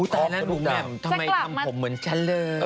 ธรรมดิวแบบทำให้ทำผมเหมือนเฉลิม